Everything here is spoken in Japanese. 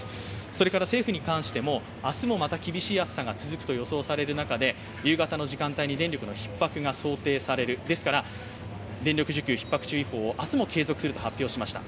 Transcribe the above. それから政府にかんしても明日もまた厳しい暑さが続くとされる中、夕方の時間帯に電力のひっ迫が想定される、ですから電力需給ひっ迫注意報を明日も継続すると発表されました。